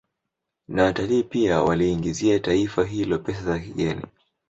Na watalii pia wakiliingizia taifa hilo pesa za kigeni